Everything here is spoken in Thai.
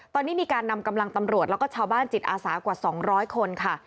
ตอนนี้มีการนำกำลังตำรวจแล้วก็ชาวบ้านจิตอาสากว่า๒๐๐คนค่ะ